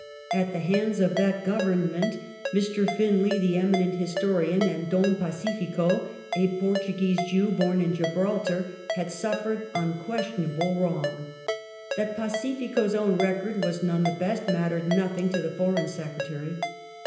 At the hands of that Government Mr. Finlay, the eminent historian, and Don Pacifico, a Portuguese Jew born in Gibraltar, had suffered un questionable wrong. That Pacifico's own record was none of the best mattered nothing to the Foreign Secretary.